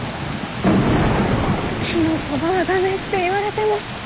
木のそばは駄目って言われても。